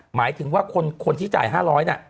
หมายถึงว่าคนที่จ่าย๕๐๐น่ะ